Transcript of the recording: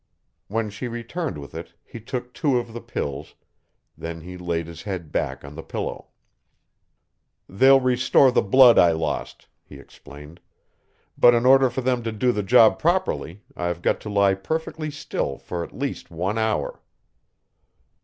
When she returned with it, he took two of the pills, then he laid his head back on the pillow. "They'll restore the blood I lost," he explained, "but in order for them to do the job properly I've got to lie perfectly still for at least one hour."